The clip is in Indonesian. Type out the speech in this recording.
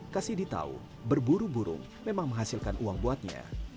kasidi tahu berburu burung memang menghasilkan uang buatnya